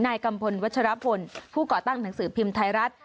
กัมพลวัชรพลผู้ก่อตั้งหนังสือพิมพ์ไทยรัฐ